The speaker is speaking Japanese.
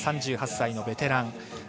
３８歳のベテラン。